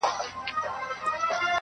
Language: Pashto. چې تاته وګورمه زه ښکارم